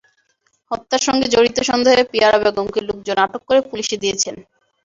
হত্যার সঙ্গে জড়িত সন্দেহে পিয়ারা বেগমকে লোকজন আটক করে পুলিশে দিয়েছেন।